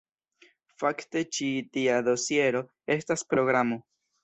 Fakte ĉi tia dosiero estas programo.